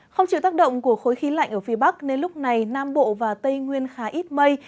không chịu tác động của khối khí lạnh ở phía bắc nên lúc này nam bộ và tây nguyên khá ít mây